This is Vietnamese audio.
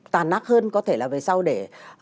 tàn ác hơn có thể là về sau để